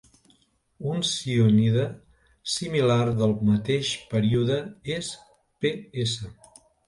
Un "zionide" similar del mateix període és Ps.